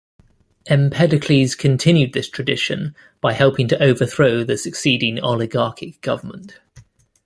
Empedocles continued this tradition by helping to overthrow the succeeding oligarchic government.